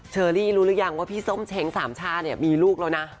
เชอรี่รู้หรือยังว่าพี่ส้มเช้งสามช่าเนี่ยมีลูกแล้วนะ